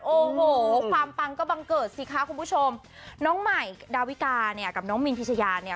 โอ้โหความปังก็บังเกิดสิคะคุณผู้ชมน้องใหม่ดาวิกาเนี่ยกับน้องมินพิชยาเนี่ย